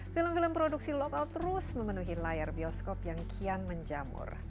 film film produksi lokal terus memenuhi layar bioskop yang kian menjamur